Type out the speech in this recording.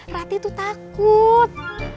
rati tuh takut